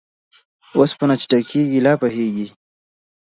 اوسپنه چې ټکېږي ، لا پخېږي.